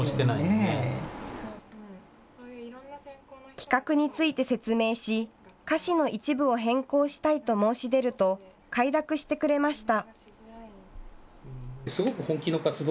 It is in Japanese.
企画について説明し歌詞の一部を変更したいと申し出ると快諾してくれました。